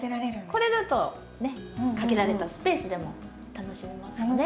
これだとねっ限られたスペースでも楽しめますので。